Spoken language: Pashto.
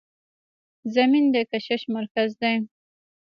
زمین د کشش مرکز دی.